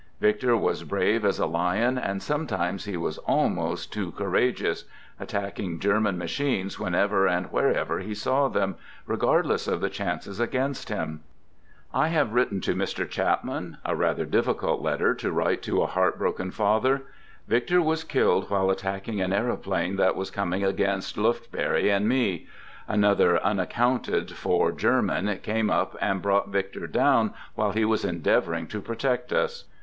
Victor was brave as a lion and sometimes he was almost too courageous — attacking German machines whenever and wherever he saw them, regardless of the chances against him. (Letter of Norman Prince) June 26, 19 16. 92 "THE GOOD SOLDIER I have written to Mr. Chapman — a rather difficult letter to write to a heart broken father. Victor was Skilled while attacking an aeroplane that was coming jagainst Lufbery and me. Another unaccounted for j German came up and brought Victor down while he J was endeavoring to protect us.